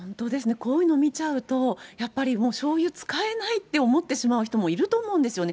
こういうの見ちゃうと、やっぱりしょうゆ使えないって思ってしまう人もいると思うんですよね。